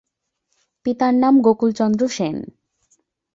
পিতার নাম গোকুল চন্দ্র সেন।